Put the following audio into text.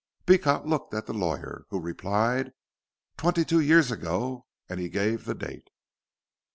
Beecot looked at the lawyer, who replied. "Twenty two years ago," and he gave the date.